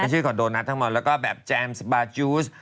ชื่อคอนโดนัททั้งหมดแล้วก็แบบแจมสบาจูส